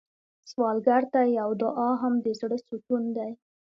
سوالګر ته یو دعا هم د زړه سکون دی